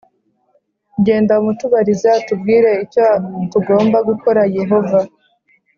Genda umutubarize atubwire icyo tugomba gukora Yehova